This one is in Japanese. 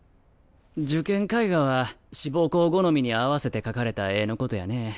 受験絵画は志望校好みに合わせて描かれた絵のことやね。